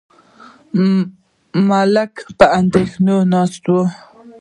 ملک په اندېښنه ناست و.